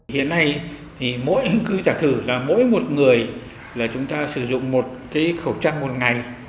hiện nay mỗi người sử dụng một khẩu trang